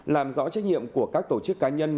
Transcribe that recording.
làm rõ trách nhiệm của các tổ chức cá nhân